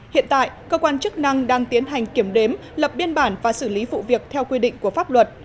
hiện tại cơ quan chức năng đang tiến hành kiểm đếm lập biên bản và xử lý vụ việc theo quy định của pháp luật